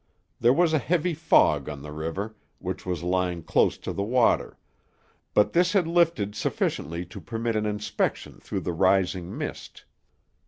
There was a heavy fog on the river, which was lying close to the water, but this had lifted sufficiently to permit an inspection through the rising mist.